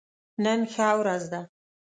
نن ښه ورځ ده